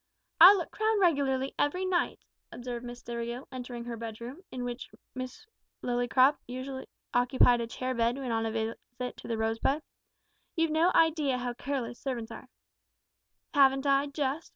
"I look round regularly every night," observed Miss Stivergill, entering her bedroom, in which Miss Lillycrop usually occupied a chair bed when on a visit to The Rosebud. "You've no idea how careless servants are (`Haven't I, just?'